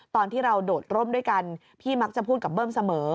ตอนที่เราโดดร่มด้วยกันพี่มักจะพูดกับเบิ้มเสมอ